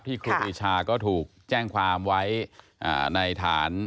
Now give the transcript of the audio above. ครูปรีชาก็ถูกแจ้งความไว้ในฐาน